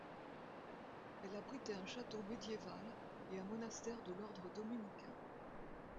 Elle abritait un château médiéval et un monastère de l'ordre dominicain.